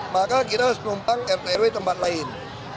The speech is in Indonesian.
maka kita harus melumpang rtw tempat lain